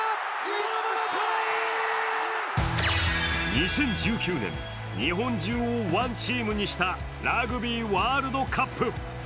２０１９年、日本中をワンチームにしたラグビーワールドカップ。